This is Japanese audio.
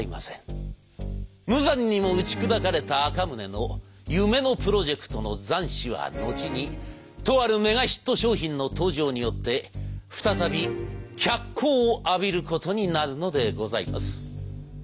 無残にも打ち砕かれた赤宗の夢のプロジェクトの残滓は後にとあるメガヒット商品の登場によって再び脚光を浴びることになるのでございます。